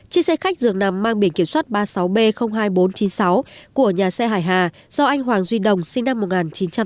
chiếc xe khách dường nằm mang biển kiểm soát ba mươi sáu b hai nghìn bốn trăm chín mươi sáu của nhà xe hải hà do anh hoàng duy đồng sinh năm một nghìn chín trăm tám mươi